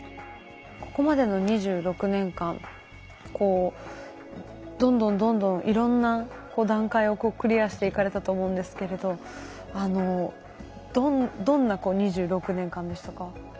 ここまでの２６年間どんどんどんどんいろんな段階をクリアしていかれたと思うんですけれどどんな２６年間でしたか？